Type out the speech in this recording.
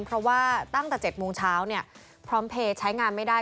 เพราะว่าตั้งแต่๗โมงเช้าเนี่ยพร้อมเพลย์ใช้งานไม่ได้